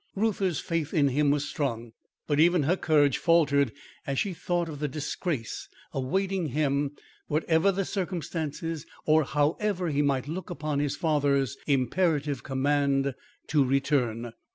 Reuther's faith in him was strong, but even her courage faltered as she thought of the disgrace awaiting him whatever the circumstances or however he might look upon his father's imperative command to return.